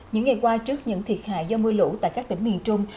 những ngày qua trước những thiệt hại do mưa lũ tại các tỉnh miền trung